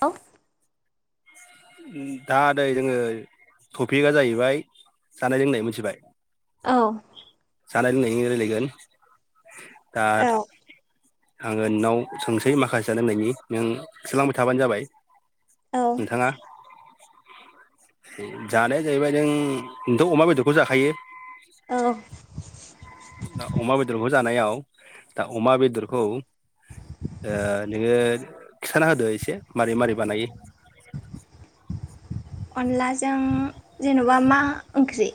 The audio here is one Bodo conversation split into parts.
औ। [inaudible] दा नै जोङो टपिकआ जाहैबाय जानाय लोंनाय मोनथिबाय। औ। जानाय लोंनाय नि रायलायगोन आरो औ आङो नोंनाव सोंसै माखासेयानो होननायनि नों सोलांबाय थाबानो जाबाय। नोंथाङा जानाया जाहैबाय नों नोंथ' अमा बेदरखौ जाखायो। औ। अमा बेदरखौ जानायाव दा अमा बेदरखौ ओ नोङो खिथाना होदो एसे मारै मारै बानायो। अनलाजों जेन'बा मा ओंख्रि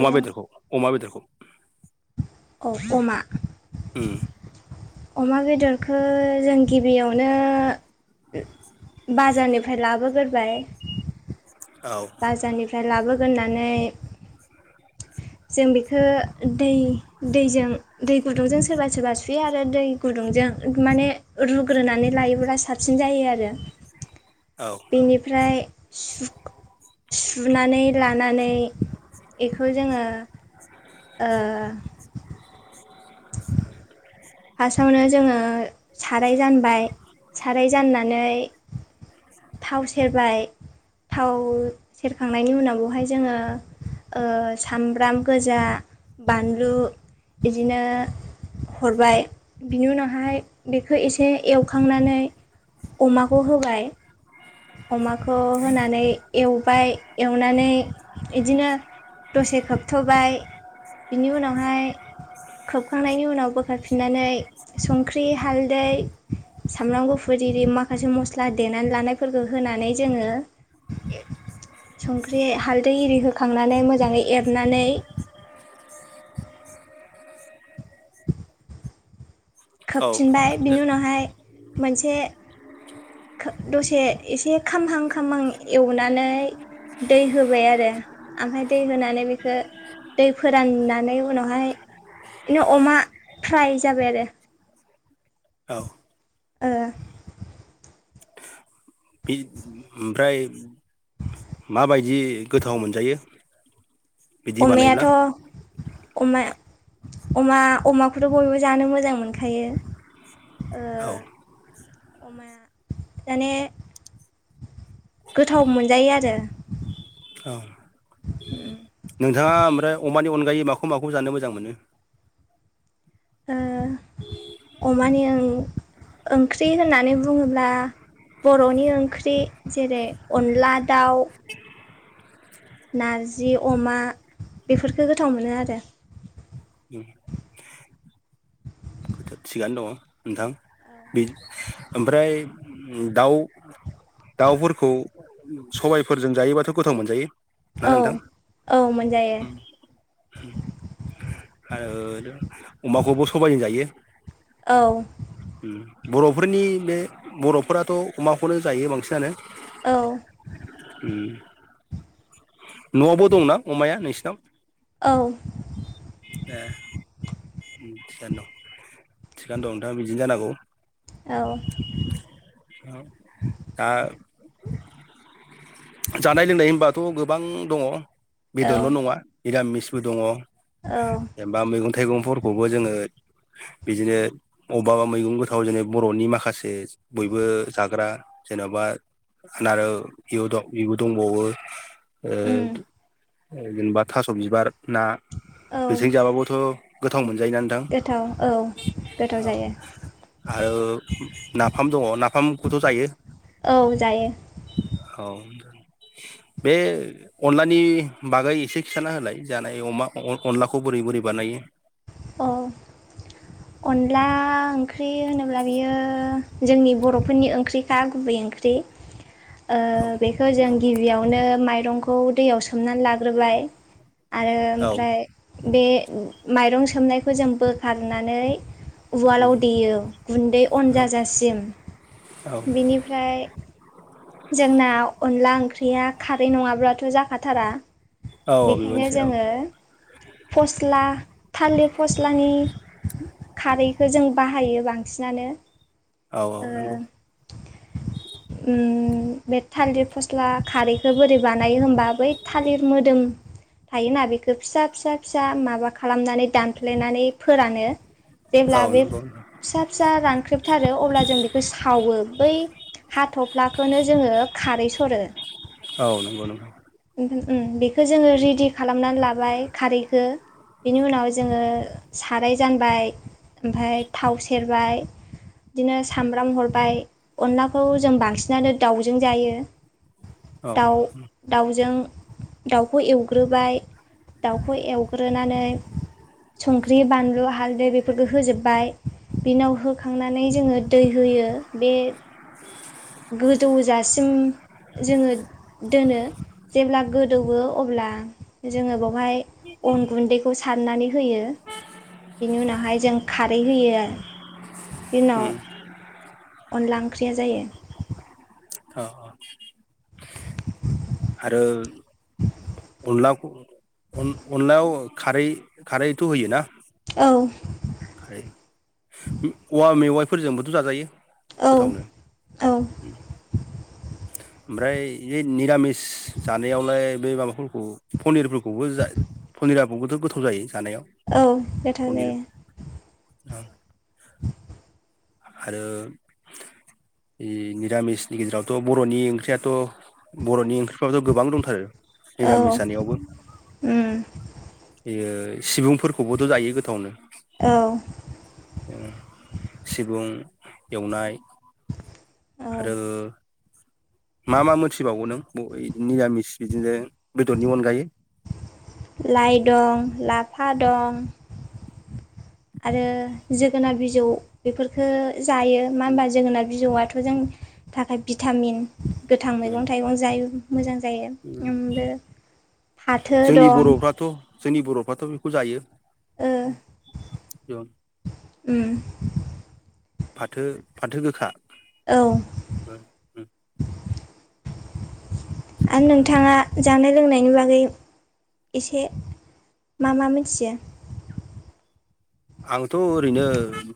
अमा बेदरखौ अमा बेदरखौ। अमा उम। अमा बेदरखौ जों गिबियावनो बाजारनि ओमफ्राय लाबोगोरबाय औ बाजारनिफ्राय लाबोगोननानै जों बेखौ दै दैजों दै गुदुंजों सोरबा सोरबा सुयो आरो दै गुदुं माने रुग्रोनानै लायोब्ला साबसिन जायो आरो। [unintelligible] बेनिफ्राय सु-सुनानै लानानै एखौ जोङो ओ फासावनो जोङो साराय जानबाय साराय जाननानै थाव सेरबाय थाव सेरखांनायनि उनाव बेहाय जोङो ओ सामब्राम गोजा बानलु बिदिनो हरबाय बिनि उनावहाय बेखौ एसे एव खांनानै अमाखौ होबाय अमाखौ होनानै एव बाय एवनानै बिदिनो दसे खोबथ'बाय बिनि उनावहाय खोबखांनायनि उनाव बोखारफि नानै संख्रि, हालदै, सामब्राम गुफुर आररि माखासे मस्ला देनानै लानायफोरखौ होनानै जोङो ए संख्रि, हाल्दै एरि होखांनानै मोजाङै एरनानै औ खोबफिनबाय बिनि उनावहाय मोनसे दसे एसे खामहां खामहां एवनानै दै होबाय आरो ओमफफ्राय दै होनानै बेखौ दै फोराननानै उनावहाय बिनो अमा फ्राय जाबाय आरो औ ओ बे ओमफ्राय माबायदि गोथाव मोनजायो ओ बिदि बानायब्ला अमायाथ' अमा अमा अमाखौथ' बयबो जानो मोजां मोनखायो। ओ औ अमा माने गोथाव मोनजायो आरो औ ओ नोंथाङा ओमफ्राय अमानि अनगायै माखौ माखौ जानो मोजां मोनो? ओ अमानि आं ओंख्रि होननानै बुङोब्ला बर'नि ओंख्रि जेरै अनला, दाउ नारजि, अमा बेफोरफोरखौ गोथाव मोनो आरो थिगानो दङ नोंथां बे ओमफ्राय दाउ, दाउफोरखौ सबायफोरजों जायोबाथ गोथाव मोनजायो ना औ नोंथां औ मोनजायो आरो अमाखौबो सबायजों जायो। औ उम बर'फोरनि बे बर'फोराथ' अमाखौनो जायो बांसिनानो औ उ न'आवबो दंना अमाया नोंसिनाव? औ ए थिखानो दं थिखानो दं नोंथाङा बिदिनो जानांगौ औ दा जानाय लोंनाय होनबाथ गोबां दङ औ बेदरल नङा मिरामिस दङ औ जेनबा मैगं-थाइगंफोरखौबो जोङो बिदिनो अबेबाबा मैगं गोथाव जेननो बर'नि माखासे बयबो जाग्रा जेन'बा इबो दंबावो ओ उम जेनेबा थास बिबार ना औ बेजों जाबाबोथ गोथाव मोनजायोना नोंथां गोथाव औ गोथाव जायो। आरो नाफाम दङ नाफामखौथ' जायो। औ जायो औ बे अनलानि बागै एसे खिथाना होलाय जानाय अमा अन अनलाखौ बोरै बोरै बानायो? औ। अनला ओंख्रि होनोब्ला बियो जोंनि बर'फोरनि ओंख्रिखा गुबै ओंख्रि। [inaudible] ओ बेखौ जों गिबियावनो माइरंखौ दैयाव सोमनानै लाग्रोबाय आरो औ ओमफ्राय बे माइरं सोमनायखौ जों बोखारनानै उवालाव देयो गुन्दै अन औ जाजासिम। औ बेनिफ्राय जोंना अनला ओंख्रिया खारै नङाब्लाथ' जाखाथारा। औ बेबो बेखायनो मोनसे औ जोङो फस्ला थालिर फस्लानि खारैखौ जों बाहायो बांसिनानो। औ औ ओ नोंगौ। उम बे थालिर फस्ला खारैखौ बोरै बानायो होमबा बै थालिर मोदोम थायोना बेखौ फिसा फिसा फिसा माबा खालामनानै दानफ्लेनानै फोरानो। जेब्ला औ बे नंगौ फिसा फिसा रानख्रेबथारो अब्ला जों बेखौ सावो बै हाथ'फ्लाखौनो जोङो खारै सरो। औ नंगौ नोंथां। उहो उम बेखौ जोङो रेडि खालामनानै लाबाय खारैखौ। बेनि उनाव जोङो साराय जानबाय ओमफाय थाव सेरबाय बिदिनो सामब्राम हरबाय। अनलाखौ जों बांसिन जानो दाउजों जायो। औ दाउ दाउजों दाउखौ एवग्रोबाय दाउखौ एवग्रोनानै संख्रि बानलु हालदै बेफोरखौ होजोब्बाय। बिनाव होखांनानै जोङो दै होयो बे गोजौजासिम जोङो दोनो जेब्ला गोदौवो अब्ला जोङो बाव हाय अन गुन्दैखौ सारनानै होयो। बेनि उनावहाय जों खारै होयो आरो बेनि उनाव अनला ओंख्रिया जायो। औ औ। ओं अनलाखौ अन-अनलायाव खारै-खारैथ' होयो ना? औ। [unintelligible] औवा मेवाइफोरजोंबोथ' जाजायो। औ गोथावनो औ। ओमफ्राय इयो निरामिस जानायावलाय बे माबाफोरखौ पनिरफोरखौबो जा पनिराबोथ' गोथाव जायो? जानायाव औ गोथाव जायो। औ आरो इ निरामिसनि गेजेरावथ' बर'नि ओंख्रियाथ' बर'नि ओंख्रिफ्राथ' गोबां दंथारो औ निरामिस जानायावबो। उम जेरै सिबुंफोरखौबोथ' जायो गोथावनो। औ उम उम एवनाय औ आरो मा मा मोनथिबावगौ नों ब इ निरामि लाय दं लाफा दं। [inaudible] आरो जोगोनार बिजौ बेफोरखो जायो मा होनोमबा जोगोनार बिजौआथ' जों थाखाय भिटामिन गोथां मैगं थाइगं जाय मोजां। जायो उम द फाथो जोंनि दं बर'फ्राथ' जोंनि बर'फ्राथ' बेखौ जायो। ओ उम। फाथो फाथो गोखा। औ आरो नोंथाङा जानाय फोरोंनायनि बागै एसे मा मा मिथियो? आंथ' ओरैनो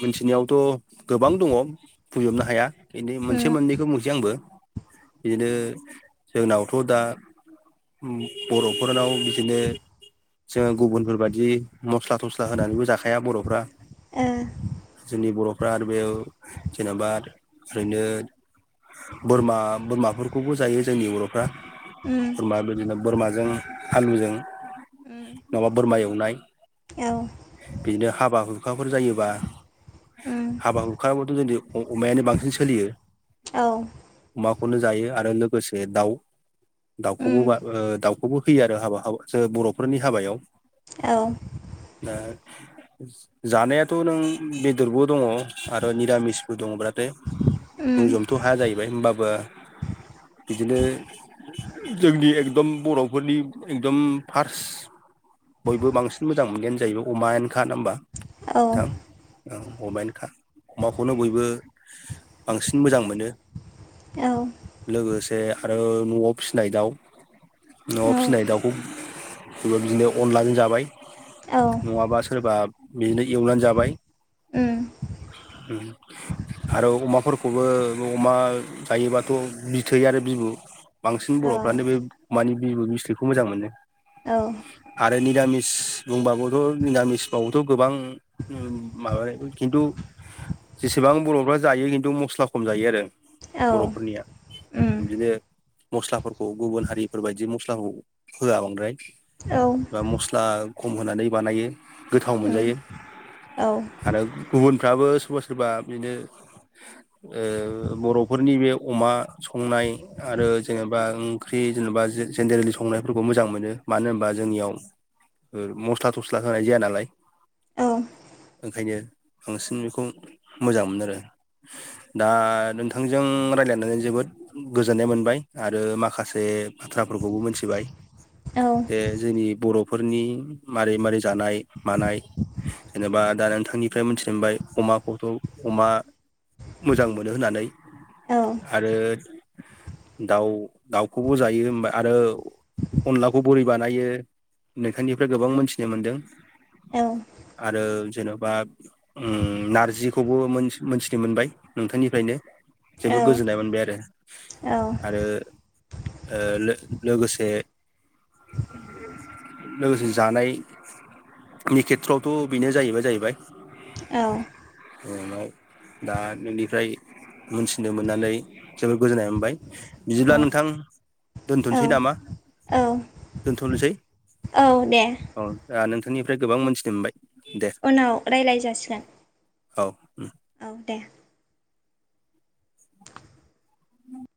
मिथिनायावथ' गोबां दङ बुंजोबनो हाया एनै उम मोनसे मोननैखौ मोसै आंबो बिदिनो जोंनावथ' दा बर'फोरनाव बिदिनो जोङो गुबुनफोरबायदि मस्ला थस्ला होनानैबो जा हाया बर'फ्रा ओ जोंनि बर' आरो बेयाव जेनेबा ओरैनो। बोरमा-बोरमाफोरखौबो जायो। जोंनि बर'फ्रा उम बोरमा बिदिनो बोरमाजों आलुजों। उम नङाबा बोरमा एवनाय। औ बिदिनो हाबा हुखाफोर जायोबा। उम हाबा हुखायावबोथ' जोंनिथिं अमायानो बांसिन सोलियो। औ अमाखौनो जायो आरो लोगोसे दाउ दाउखौबो उम बा ओ दाउ खौबो होयो आरो हाबा हा जो बर'फोरनि हाबायाव औ। जानायाथ' नों बेदरबो। दङ आरो निरामिसबो दङब्लाथाय उम बुंजोबथ' हाया जाहैबाय होमबाबो। बिदिनो जोंनि। दम बर'फोरनि एकदम फार्स बयबो बांसिन मोजां मोनायानो जाहैबाय। अमायेनखा हबा औ नोंथां औ अमायेनखा। अमाखौनो बयबो बांसिन मोजां मोनो। औ लोगोसे आरो न'आव फिसिनाय दाउ न'आव फिसिनाय दाउखौ। सोरबा बिदिनो अनलाजों जाबाय। औ नङाबा सोरबा बिदिनो एवनानै जाबाय। उम आरो अमाफो बेखौबो अमा जायोबाथ' बिथै आरो बिबु। बांसिन औ बर'फ्रानो बे मानि बिबु बिस्रिखौ मोजां मोनो औ आरो। रामिस बुंबाबो। औ निरामिसबाथ' गोबां माबायो खिन्थु। जेसेबां बर'फ्रा जायो खिन्थु मस्ला खम जायो आरो। औ बर'फोरनिया उम बिदिनो मस्लाफोरखौ गुबुन हारिफोर बायदि मस मस्लाखौ होआ बांद्राय औ बा मस्ला खम होनानै बानायो। गोथाव उम मोनजायो औ आरो गुबुनफ्राबो। सोरबा सोरबा बिनो ओ बर'फोरनि बे अमा संनाय आरो जेनेबा ओंख्रि जेनेबा जे-जेनेरेलि संनायफोरखौ मोजां मोनो मानो होनबा जोंनियाव और मोस थस्ला थस्ला होनाय जाया नालाय औ ओंखायनो। बांसिन बेखौ मोजां मोनो आरो। दा नोंथांजों रायलायनानै जोबोद गोजोननाय मोनबाय आरो माखासे बे बाथ्राफोरखौबो मिथिबाय औ बे जोंनि बर'फोरनि मारै-मारै जानाय मानाय जेनेबा दा नोंथांनिफ्राय मोनथिनो मोनबाय अमाखौथ' अमा। मोजां मोनो होननानै औ आरो दाउ-दाउखौबो जायो ओमबा आरो अनलाखौ बोरै बानायो नोखानि फ्राय गोबां मोनथिनो मोनदों औ आरो जेन' बा उम नारजिखौबो मोन-मोनथिनो मोनबाय नोंथांनिफ्रायनो जोबोद औ गोजोननाय मोनबाय आरो आरो ओ लोगोसे लोगोसे जानायनि खेथ्रआवथ' बेनो जाहैबाय-जाहैबाय औ इयुनाव दा नोंनिफ्राय मोनथिनो मोननानै जबोर गोजोननाय मोनबाय। बिदिब्ला नोंथां औ दोन्थ'निसै नामा दोनथ'नोसै। औ दे बेनिफ्राय गोबां मोनथिनो मोनबाय दे उनाव रायलाय जासिगोन औ औ दे। [inaudible]